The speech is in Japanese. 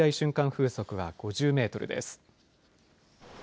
風速は５０メートルです。